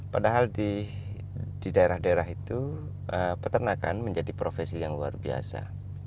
padahal di daerah daerah itu peternakan menjadi profesi yang luar biasa